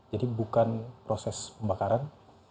jadi bukan proses pembakaran